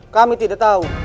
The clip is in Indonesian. kami tidak tahu